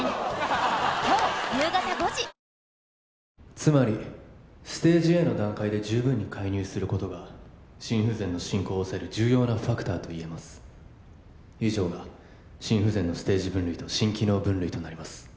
つまりステージＡの段階で十分に介入することが心不全の進行を抑える重要なファクターといえます以上が心不全のステージ分類と心機能分類となります